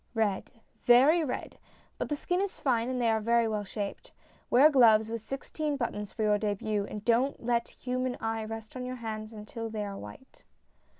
" Red, very red ! But the skin is fine, and they are very well shaped. Wear gloves with sixteen buttons for your dehut, and don't let human eye rest on your hands until they are white."